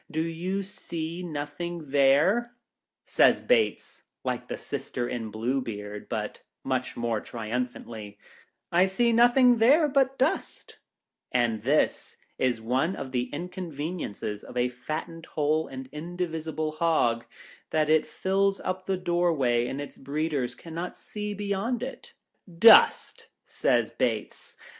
Do you see nothing there 1 " Says Bates (like the sister in Blue Beard, but much more triumph antly) "I see nothing there, but dust;" — and this is one of the inconveniences of a fattened Whole and indivisible Hog, that it fills up the doorway, and its breeders cannot see beyond it. " Dust !" says Bates.